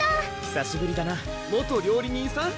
久しぶりだな元料理人さん？